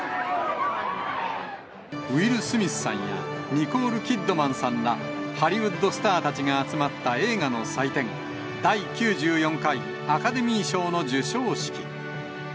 ウィル・スミスさんやニコール・キッドマンさんらハリウッドスターたちが集まった映画の祭典、第９４回アカデミー賞の授賞式。